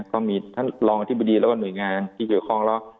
ก็มีท่านรองอธิบดีแล้วก็หน่วยงานที่เกี่ยวข้องแล้ว